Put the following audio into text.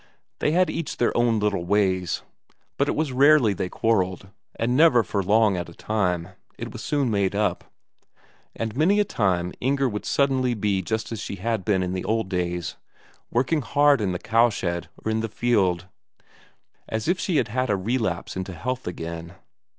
They had each their own little ways, but it was rarely they quarrelled, and never for long at a time; it was soon made up. And many a time Inger would suddenly be just as she had been in the old days, working hard in the cowshed or in the field; as if she had had a relapse into health again.